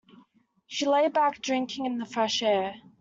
She lay back, drinking in the fresh air.